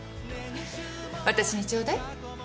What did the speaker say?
私にちょうだい？